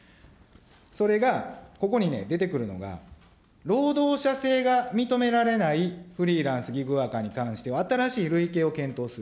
それがここにね、出てくるのが、労働者制が認められないフリーランス、ギグワーカーに関しては、新しい類型を検討する。